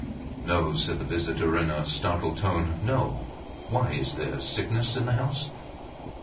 No, said the visitor in a startled tone. No. Why? Is there sickness in the house?